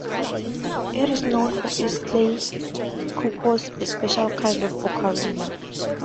It is known for its clay cuckoos - a special kind of ocarina.